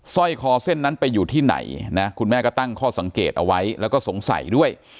ร้อยคอเส้นนั้นไปอยู่ที่ไหนนะคุณแม่ก็ตั้งข้อสังเกตเอาไว้แล้วก็สงสัยด้วย